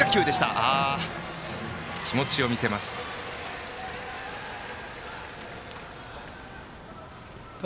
バッター、気持ちを見せました。